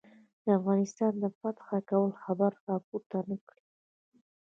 د افغانستان د فتح کولو خبره را پورته نه کړي.